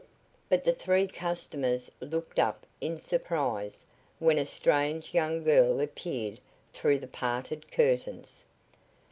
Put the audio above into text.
But the three customers looked up in surprise when a strange young girl appeared through the parted curtains.